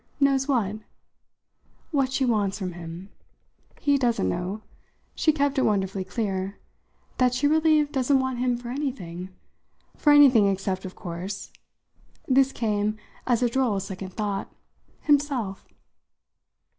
"Knows what?" "What she wants him for. He doesn't know" she kept it wonderfully clear "that she really doesn't want him for anything; for anything except, of course" this came as a droll second thought "himself."